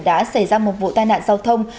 đã xảy ra một vụ tai nạn giao thông